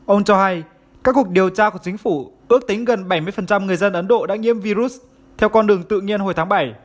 ông cho hay các cuộc điều tra của chính phủ ước tính gần bảy mươi người dân ấn độ đã nhiễm virus theo con đường tự nhiên hồi tháng bảy